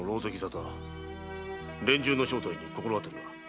連中の正体に心当たりは？